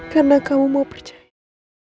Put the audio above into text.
karena kamu mau percaya